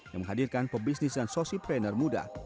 yang menghadirkan pebisnis dan sosi trainer muda